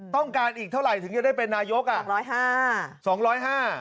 ต้องการอีกเท่าไรถึงจะได้เป็นนายกอะ